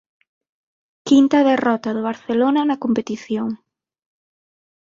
Quinta derrota do Barcelona na competición.